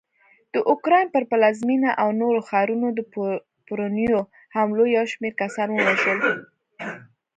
د اوکراین پر پلازمېنه او نورو ښارونو د پرونیو حملو یوشمېر کسان ووژل